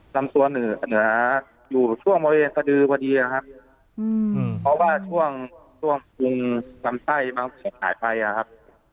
ทำตัวเหนือเหนืออยู่ช่วงบริเวณสะดือพอดีอ่ะครับอืมอืมเพราะว่าช่วงช่วงภูมิทำใต้มันหายไปอ่ะครับ